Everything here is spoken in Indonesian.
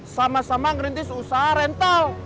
sama sama ngerintis usaha rental